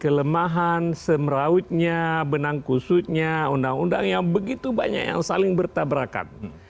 kelemahan semerautnya benang kusutnya undang undang yang begitu banyak yang saling bertabrakan